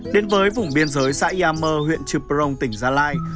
đến với vùng biên giới xã ia mơ huyện chư prong tỉnh gia lai